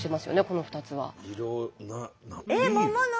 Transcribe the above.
この２つは。